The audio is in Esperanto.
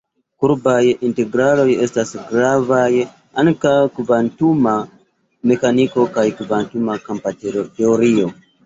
Kurbaj integraloj estas gravaj ankaŭ en kvantuma mekaniko kaj kvantuma kampa teorio.